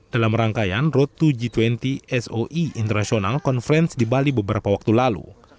dalam rangkaian road to g dua puluh soe international conference di bali beberapa waktu lalu